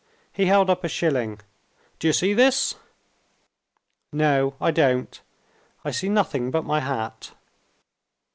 He held up a shilling. "Do you see this?" "No, I don't. I see nothing but my hat."